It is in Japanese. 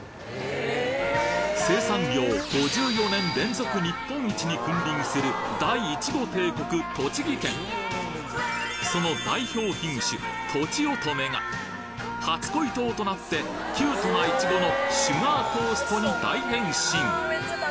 それの。に君臨する大イチゴ帝国栃木県その代表品種とちおとめが初恋糖となってキュートなイチゴのシュガートーストに大変身！